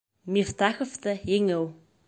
Мифтаховты еңеү